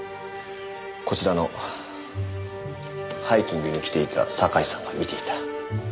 こちらのハイキングに来ていた堺さんが見ていた。